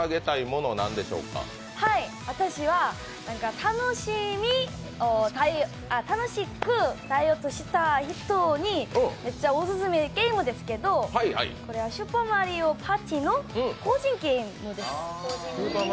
私は楽しくダイエットしたい人にめっちゃオススメのゲームですけどこれは「スーパーマリオパーティ」の「ポージングヒーロー」です。